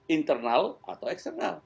internal atau eksternal